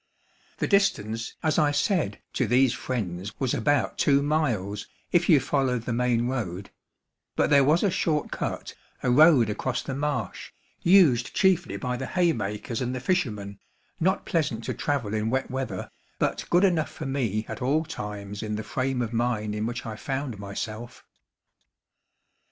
The distance, as I said, to these friends was about two miles, if you followed the main road; but there was a short cut, a road across the marsh, used chiefly by the hay makers and the fishermen, not pleasant to travel in wet weather, but good enough for me at all times in the frame of mind in which I found myself.